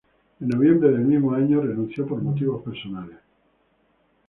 En noviembre del mismo año renunció por motivos personales.